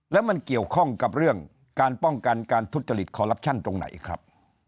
แล้วมันเกี่ยวข้องกับเรื่องการป้องกันการทุจริตคอลลับชั่นตรงไหนครับ